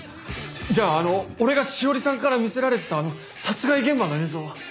じゃああの俺が詩織さんから見せられてた殺害現場の映像は？